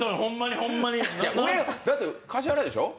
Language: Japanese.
だって、橿原でしょ。